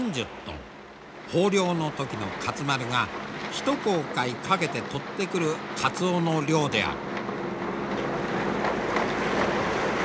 豊漁の時の勝丸が一航海かけて取ってくるカツオの量である。